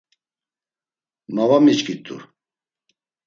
Ma va miçkit̆u.